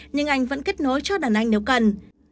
nhưng anh vẫn kết nối cho đà nẵng nếu cần